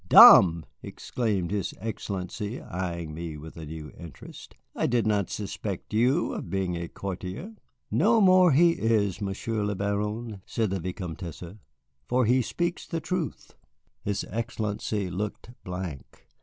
"Dame!" exclaimed his Excellency, eying me with a new interest, "I did not suspect you of being a courtier." "No more he is, Monsieur le Baron," said the Vicomtesse, "for he speaks the truth." His Excellency looked blank.